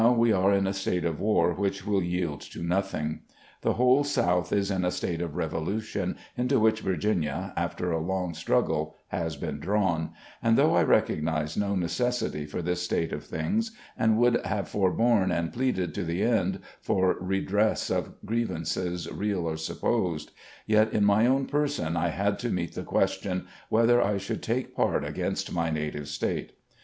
Now we are in a state of war which will 3deld to nothing. The whole South is in a state of revolution, into which Virginia, after a long struggle, has been drawn; and though I recognise no necessity for this state of things, and wotdd have for borne and pleaded to the end for redress of grievances, real or supposed, yet in my own person I had to meet the question whether I should take part against my native State.